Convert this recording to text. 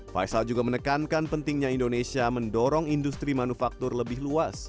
faisal juga menekankan pentingnya indonesia mendorong industri manufaktur lebih luas